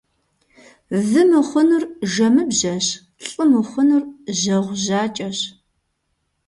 Вы мыхъунур жэмыбжьэщ, лӀы мыхъунур жьэгъу жьакӀэщ.